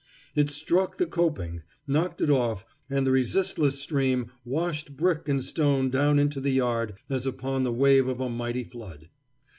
It struck the coping, knocked it off, and the resistless stream washed brick and stone down into the yard as upon the wave of a mighty flood.